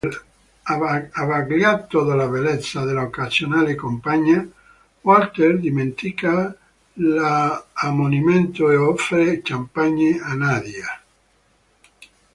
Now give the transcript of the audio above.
Abbagliato dalla bellezza dell'occasionale compagna, Walter dimentica l'ammonimento e offre champagne a Nadia.